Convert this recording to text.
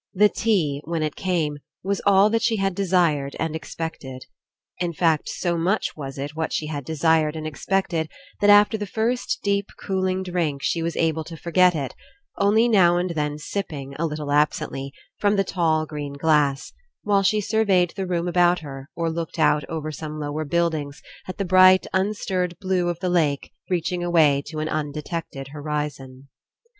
The tea, when it came, was all that she had desired and expected. In fact, so much was it what she had desired and expected that after the first deep cooling drink she was able to forget It, only now and then sipping, a little absently, from the tall green glass, while she surveyed the room about her or looked out over some lower buildings at the bright un 13 PASSING Stirred blue of the lake reaching away to an undetected horizon.